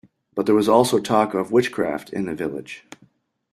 But there was also talk of witchcraft in the village.